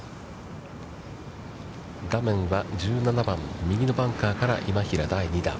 画面は１７番、右のバンカーから、今平の第２打。